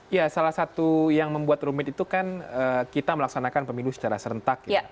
ya salah satu yang membuat rumit itu kan kita melaksanakan pemilu secara serentak